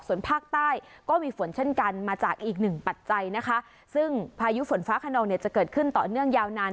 ส่วนภาคใต้ก็มีฝนเช่นกันมาจากอีกหนึ่งปัจจัยนะคะซึ่งพายุฝนฟ้าขนองเนี่ยจะเกิดขึ้นต่อเนื่องยาวนาน